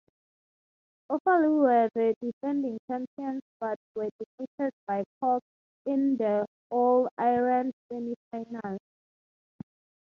Offaly were the defending champions but were defeated by Cork in the All-Ireland semi-final.